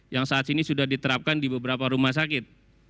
yang saat ini sudah diterapkan di beberapa rumah sakit